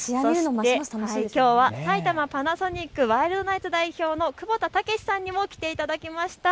きょうは埼玉パナソニックワイルドナイツ代表の久保田剛さんにも来ていただきました。